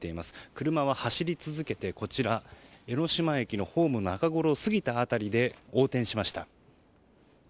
車は走り続けて、こちら江ノ島駅のホーム中ごろを過ぎた辺りで横転しました。